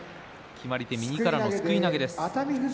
決まり手は右からのすくい投げです。